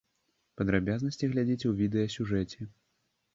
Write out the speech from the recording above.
Падрабязнасці глядзіце ў відэасюжэце.